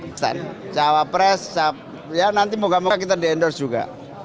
instan cawapres ya nanti moga moga kita di endorse juga